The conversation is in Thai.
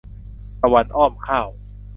ตะวันอ้อมข้าว